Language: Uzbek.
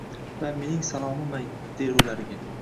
Va mening salomim ayt, der ularga —